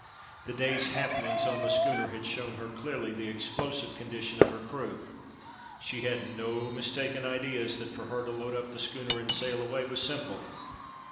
The day's happenings on the schooner had shown her clearly the explosive condition of her crew; she had no mistaken ideas that for her to load up the schooner and sail away was simple.